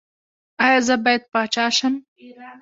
ایا زه باید پاچا شم؟